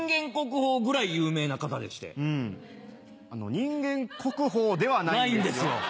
人間国宝ではないんですよ。